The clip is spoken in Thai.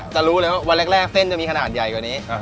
จะรู้เลยว่าวันแรกเส้นจะมีขนาดใหญ่กว่านี้